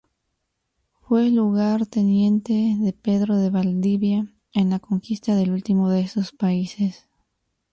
Fue lugarteniente de Pedro de Valdivia en la conquista del último de estos países.